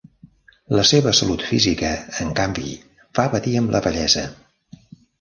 La seva salut física, en canvi, va patir amb la vellesa.